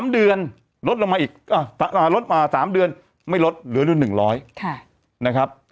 ๓เดือนลดลงมาอีกลดมา๓เดือนไม่ลดเหลือเดือน๑๐๐นะครับ